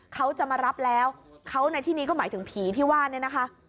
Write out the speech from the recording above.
เขาจะมารับแล้วเขาในที่นี้ก็หมายถึงผีที่ว่าเนี่ยนะคะ